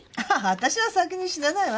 私は先に死なないわ。